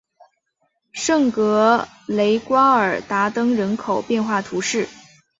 圣格雷瓜尔达登人口变化图示